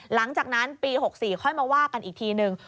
หลังจากนั้นปี๖๔ค่อยมาว่ากันอีกทีนึง